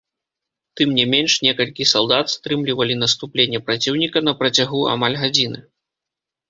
Тым не менш, некалькі салдат стрымлівалі наступленне праціўніка на працягу амаль гадзіны.